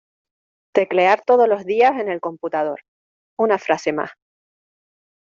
Teclear todos los dias en el computador, una frase más.